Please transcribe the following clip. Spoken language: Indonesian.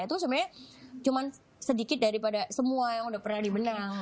itu sebenarnya cuma sedikit daripada semua yang udah pernah di benang